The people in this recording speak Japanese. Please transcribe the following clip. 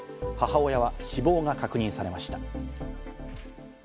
母親は死亡が確認されました。